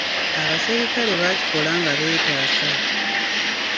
Abaserikale baakikola nga beetaasa.